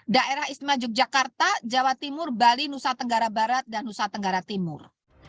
daerah istimewa yogyakarta jawa timur bali nusa tenggara barat dan nusa tenggara timur